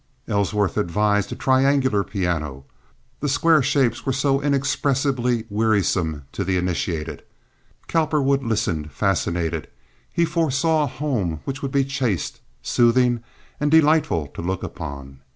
Ellsworth advised a triangular piano—the square shapes were so inexpressibly wearisome to the initiated. Cowperwood listened fascinated. He foresaw a home which would be chaste, soothing, and delightful to look upon.